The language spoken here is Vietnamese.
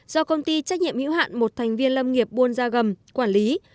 do công ty trách nhiệm hữu hạn một thành viên lâm nghiệp buôn gia gầm quản lý